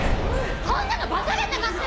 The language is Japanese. こんなのバカげてます！